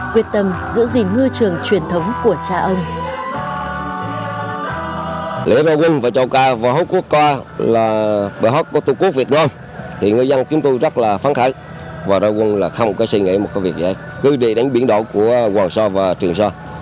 quyết tâm giữ gìn ngư trường truyền thống của cha ông